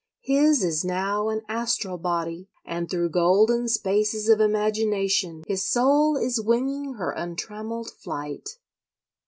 His is now an astral body, and through golden spaces of imagination his soul is winging her untrammelled flight.